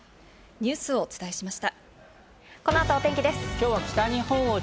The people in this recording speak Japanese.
ニュースをお伝えしました。